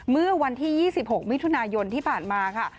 เมื่อวันที่๒๖มิถุนายนที่ผ่านมาค่ะ